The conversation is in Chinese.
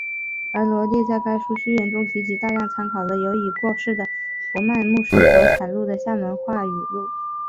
而罗啻在该书序言中提及大量参考了由已过世的博曼牧师所采录的厦门话语汇。